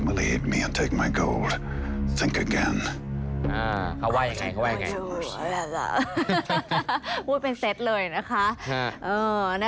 พูดเป็นเซตเลยนะคะ